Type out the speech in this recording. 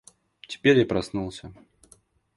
Теперь я проснулся.